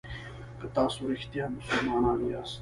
که تاسو رښتیا مسلمانان یاست.